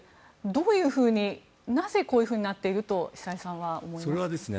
どういうふうになぜこうなっていると久江さんは思いますか？